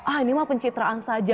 ah ini mah pencitraan saja